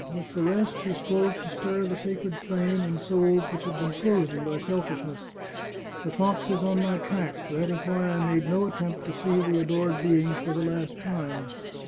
With the rest he strove to stir the sacred flame in souls which had been frozen by selfishness. The fox is on my track ; that is why I made no attempt to see the adored being for the last time.